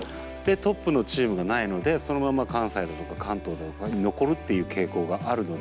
トップのチームがないのでそのまま関西だとか関東だとかに残るっていう傾向があるので。